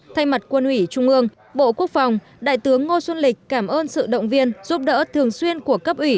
thay mặt quân ủy trung ương bộ quốc phòng đại tướng ngô xuân lịch cảm ơn sự động viên giúp đỡ thường xuyên của cấp ủy